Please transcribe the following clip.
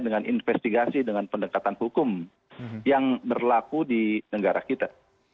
dengan investigasi dengan pendekatan hukum yang berlaku di negara kita